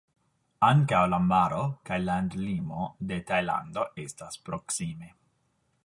Ankaŭ la maro kaj landlimo de Tajlando estas proksime.